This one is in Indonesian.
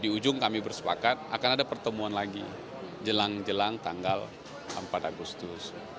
di ujung kami bersepakat akan ada pertemuan lagi jelang jelang tanggal empat agustus